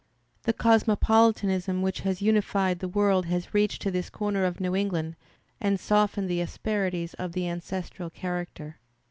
The cosmopolitanism which has unified the world has reached to this comer of New England and softened the asperities of the ancestral character.